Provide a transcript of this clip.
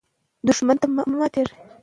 که نجونې پیلوټانې شي نو سفرونه به نه ځنډیږي.